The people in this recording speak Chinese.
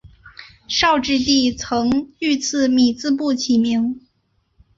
绍治帝曾御赐米字部起名。